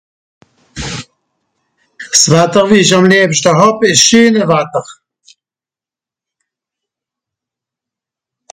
s Watter wie ich àm liebschte hàb isch s scheene Watter